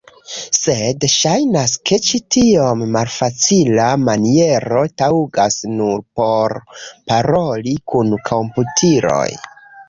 Sed, ŝajnas, ke ĉi tiom malfacila maniero taŭgas nur por paroli kun komputiloj.